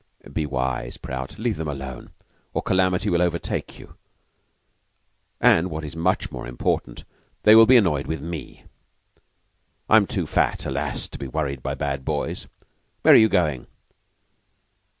"Be wise, Prout. Leave them alone, or calamity will overtake you; and what is much more important, they will be annoyed with me. I am too fat, alas! to be worried by bad boys. Where are you going?"